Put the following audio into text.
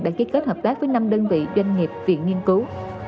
đã ký kết hợp tác với năm đơn vị doanh nghiệp viện nghiên cứu